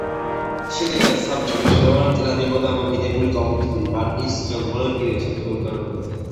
შედეგად საბჭო მნიშვნელოვან წილად იყო დამოკიდებული კომუნისტური პარტიის ხელმძღვანელ პირებსა, თუ ორგანოებზე.